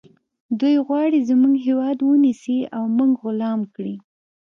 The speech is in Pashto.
دوی غواړي زموږ هیواد ونیسي او موږ غلام کړي